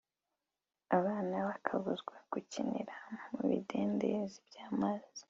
Abana bakabuzwa gukinira mu bidendezi by’amazi